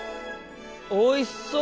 おいしそう！